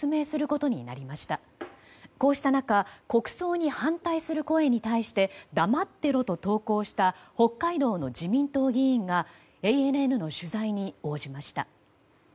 こうした中国葬に反対する声に対して黙ってろと投稿した北海道の自民党議員がＡＮＮの取材に応じました。